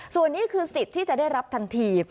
ส่วนนี้คือสิทธิ์ที่จะได้รับทันที